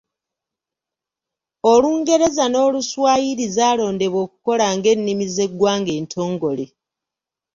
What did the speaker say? Olungereza n'Oluswayiri zaalondebwa okukola nga ennimi z'eggwanga entongole.